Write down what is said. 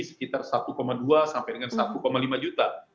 sekitar satu dua sampai dengan satu lima juta